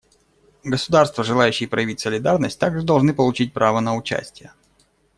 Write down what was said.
Государства, желающие проявить солидарность, также должны получить право на участие.